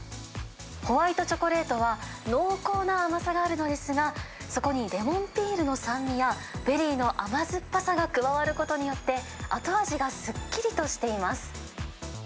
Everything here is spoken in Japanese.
ホワイトチョコレートは、濃厚な甘さがあるのですが、そこにレモンピールの酸味や、ベリーの甘酸っぱさが加わることによって、後味がすっきりとしています。